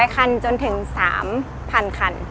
๒๘๐๐คันจนถึง๓๐๐๐คัน